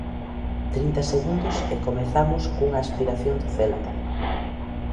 Trinta segundos e comezamos cunha aspiración do Celta.